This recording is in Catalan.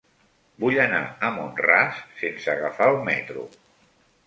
Vull anar a Mont-ras sense agafar el metro.